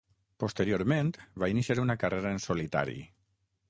Posteriorment, va iniciar una carrera en solitari.